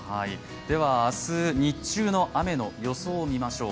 では明日、日中の雨の予想を見ましょう。